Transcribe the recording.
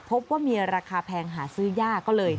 พบว่ามีราคาแพงหาซื้อยากก็เลย